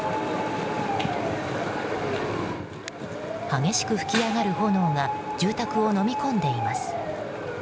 激しく噴き上がる炎が住宅をのみ込んでいます。